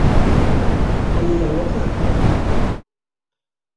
Але я не плакаў!